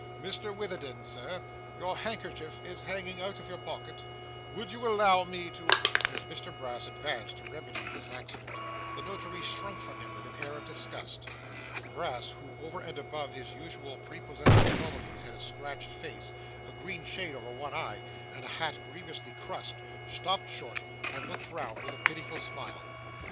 Mr Witherden, Sir, your handkerchief is hanging out of your pocket would you allow me to , As Mr Brass advanced to remedy this accident, the Notary shrunk from him with an air of disgust. Brass, who over and above his usual prepossessing qualities, had a scratched face, a green shade over one eye, and a hat grievously crushed, stopped short, and looked round with a pitiful smile.